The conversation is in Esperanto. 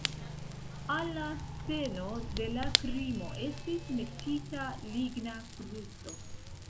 Al la sceno de la krimo estis metita ligna kruco.